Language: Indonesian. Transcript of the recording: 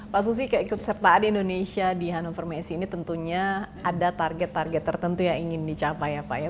pak susi keikutsertaan indonesia di hannover messe ini tentunya ada target target tertentu yang ingin dicapai ya pak ya